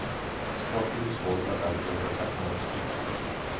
სპორტული ცხოვრება გაგრძელდა საკმაოდ დიდხანს.